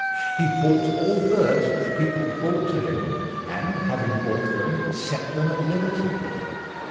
He bought all birds which people brought to him, and having bought them, set them at liberty.